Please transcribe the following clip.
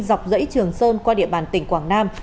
dọc dãy trường sơn qua địa bàn tỉnh quảng nam